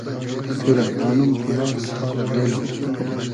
تو رۂ دانوم خودا دوتتا رۂ بېلو